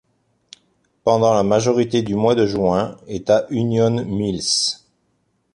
Pendant la majorité du mois de juin, est à Union Mills.